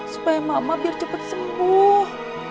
supaya mama biar cepet sembuh